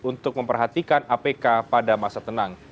untuk memperhatikan apk pada masa tenang